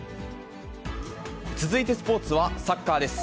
続いてスポーツは、サッカーです。